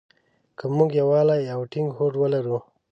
که مونږ يووالی او ټينګ هوډ ولرو.